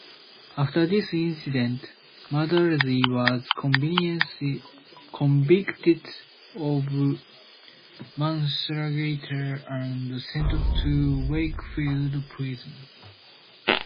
After this incident, Maudsley was convicted of manslaughter and sent to Wakefield Prison.